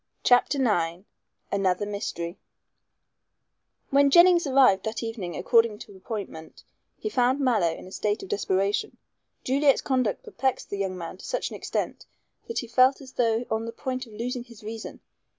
CHAPTER IX ANOTHER MYSTERY When Jennings arrived that evening according to appointment, he found Mallow in a state of desperation. Juliet's conduct perplexed the young man to such an extent that he felt as though on the point of losing his reason.